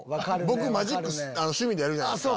僕マジック趣味でやるじゃないですか。